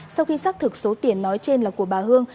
sau khi xác thực số tiền nói trên là của bà hương